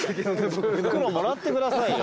袋もらってくださいよ。